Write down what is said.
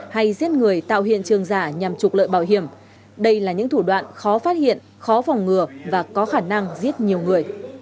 hay giết người tạo hiện trường giả nhằm trục lợi bảo hiểm đây là những thủ đoạn khó phát hiện khó phòng ngừa và có khả năng giết nhiều người